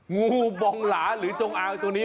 งูบองหลาหรือจงอางตัวนี้